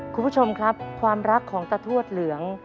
คุณผู้ชมครับความรักของตาทวดเหลือง